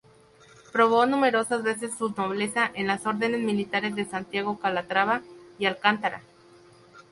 Probó numerosas veces su nobleza en las Órdenes Militares de Santiago, Calatrava y Alcántara.